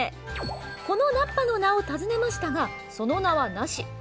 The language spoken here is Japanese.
この菜っぱの名を尋ねましたがその名は、なし。